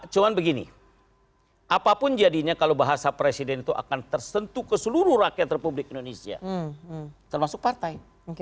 cuma begini apapun jadinya kalau bahasa presiden itu akan tersentuh ke seluruh rakyat republik indonesia termasuk partai